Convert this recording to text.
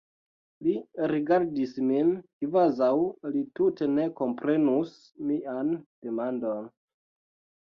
Li rigardis min, kvazaŭ li tute ne komprenus mian demandon.